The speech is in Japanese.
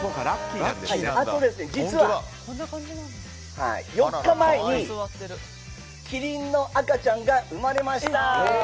あと、実は４日前にキリンの赤ちゃんが生まれました。